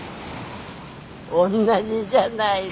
おんなじじゃないの！